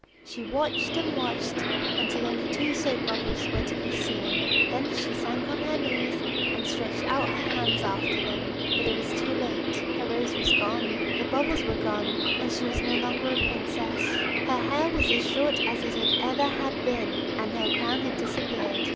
She watched and watched until only two soap bubbles were to be seen; then she sank on her knees, and stretched out her hands after them. But it was too late; her rose was gone, the bubbles were gone, and she was no longer a princess. Her hair was as short as it ever had been, and her crown had disappeared.